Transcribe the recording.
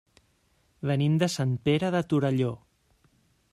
Venim de Sant Pere de Torelló.